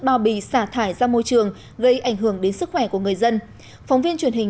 bao bì xả thải ra môi trường gây ảnh hưởng đến sức khỏe của người dân phóng viên truyền hình